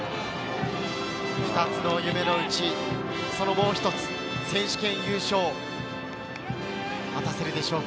２つの夢のうち、そのもう一つ、選手権優勝、果たせるでしょうか。